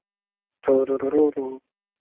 谢尔比。